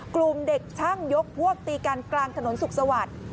กลุ่มเด็กช่างยกพวกตีกันกลางถนนสุขสวัสดิ์